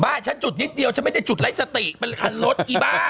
ฉันจุดนิดเดียวฉันไม่ได้จุดไร้สติเป็นคันรถอีบ้า